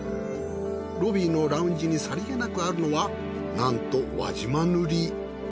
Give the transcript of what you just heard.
ロビーのラウンジにさりげなくあるのはなんと輪島塗。